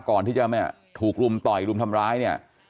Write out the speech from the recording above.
ก่อนที่จะถูกรุมต่อยรุมทำร้ายเนี่ย